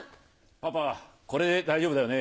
パパこれで大丈夫だよね？